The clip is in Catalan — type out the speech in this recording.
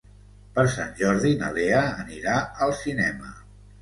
Per Sant Jordi na Lea anirà al cinema.